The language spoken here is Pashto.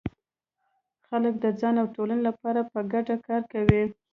خلک د ځان او ټولنې لپاره په ګډه کار کوي.